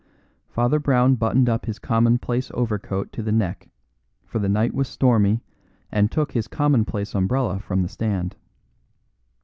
Father Brown buttoned up his commonplace overcoat to the neck, for the night was stormy, and took his commonplace umbrella from the stand.